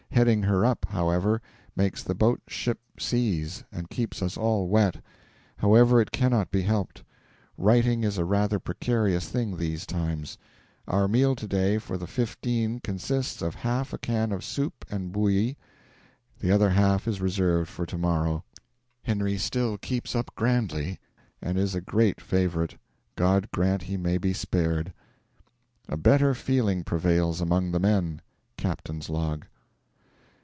Heading her up, however, makes the boat ship seas and keeps us all wet; however, it cannot be helped. Writing is a rather precarious thing these times. Our meal to day for the fifteen consists of half a can of 'soup and boullie'; the other half is reserved for to morrow. Henry still keeps up grandly, and is a great favourite. God grant he may be spared. A better feeling prevails among the men. Captain's Log.